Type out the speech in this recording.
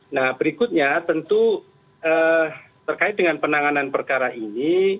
nah berikutnya tentu terkait dengan penanganan perkara ini